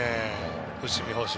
伏見捕手。